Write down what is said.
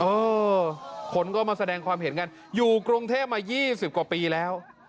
เออคนก็มาแสดงความเห็นกันอยู่กรุงเทพมา๒๐กว่าปีแล้ว